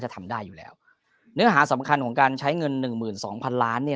จะทำได้อยู่แล้วเนื้อหาสำคัญของการใช้เงิน๑๒๐๐๐ล้านเนี่ย